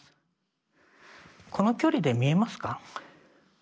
この距離で見えますか？